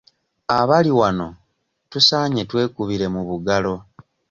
Abali wano tusaanye twekubire mu bugalo.